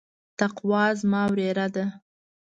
تقوا زما وريره ده.